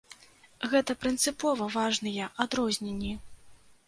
Гэта прынцыпова важныя адрозненні!